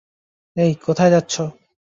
হেই, কোথায় যাচ্ছ!